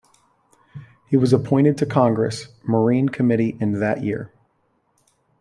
He was appointed to Congress' Marine Committee in that year.